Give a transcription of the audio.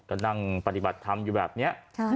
ก็นั่งปฏิบัติธรรมอยู่แบบนี้